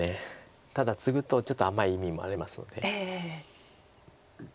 ただツグとちょっと甘い意味もありますので。